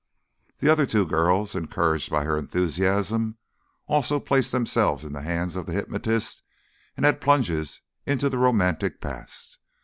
The other two girls, encouraged by her enthusiasm, also placed themselves in the hands of the hypnotist and had plunges into the romantic past.